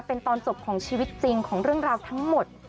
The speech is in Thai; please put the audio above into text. เป็นตอนจบของชีวิตจริงของเรื่องราวทั้งหมด